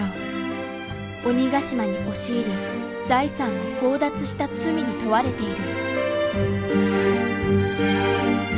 鬼ヶ島に押し入り財産を強奪した罪に問われている。